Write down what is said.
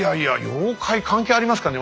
妖怪関係ありますかね。